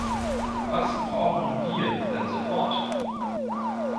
Was brauchen wir denn sofort?